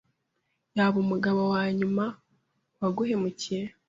Yaba umugabo wanyuma waguhemukiye.